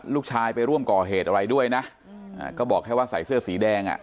ลูกชายไปร่วมก่อเหตุอะไรด้วยนะก็บอกแค่ว่าใส่เสื้อสีแดงอ่ะ